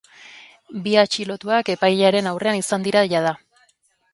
Bi atxilotuak epailearen aurrean izan dira jada.